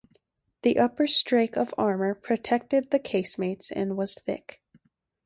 The upper strake of armor protected the casemates and was thick.